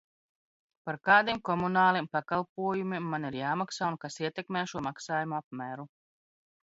Par kādiem komunāliem pakalpojumiem man ir jāmaksā un kas ietekmē šo maksājumu apmēru?